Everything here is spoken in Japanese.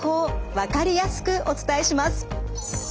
分かりやすくお伝えします。